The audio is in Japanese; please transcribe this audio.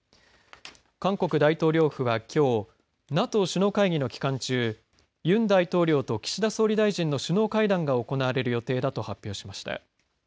韓国大統領府はきょうＮＡＴＯ首脳会議の期間中ユン大統領と岸田総理大臣の首脳会談が行われる予定だと発表しました。